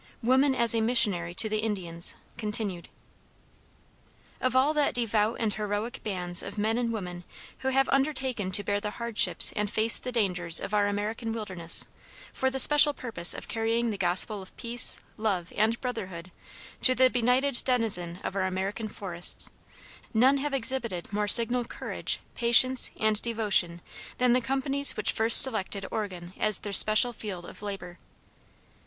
WOMAN AS A MISSIONARY TO THE INDIANS (CONTINUED) Of all that devout and heroic bands of men and women who have undertaken to bear the hardships and face the dangers of our American wilderness, for the special purpose of carrying the Gospel of peace, love, and brotherhood to the benighted denizen of our American forests, none have exhibited more signal courage, patience, and devotion than the companies which first selected Oregon as their special field of labor.